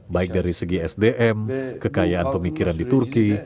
baik dari segi sdm kekayaan pemikiran di turki